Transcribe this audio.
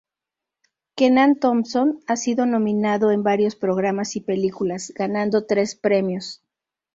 Kenan Thompson ha sido nominado en varios programas y películas, ganando tres premios.